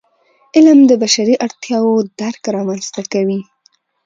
علم د بشري اړتیاوو درک رامنځته کوي.